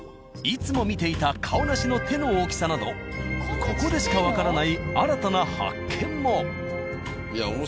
いつも見ていたカオナシの手の大きさなどここでしかわからない新たな発見も。